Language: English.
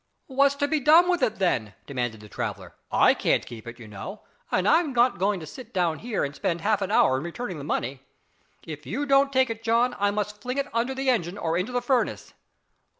"What's to be done with it, then?" demanded the traveller, "I can't keep it, you know, and I'm not going to sit down here and spend half an hour in returning the money. If you don't take it John, I must fling it under the engine or into the furnace."